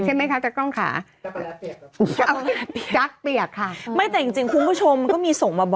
ใช่ไหมคะจักรกลขา